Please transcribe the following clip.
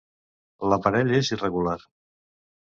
L'aparell és irregular.